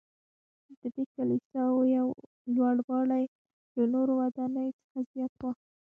ددې کلیساوو لوړوالی له نورو ودانیو څخه زیات و.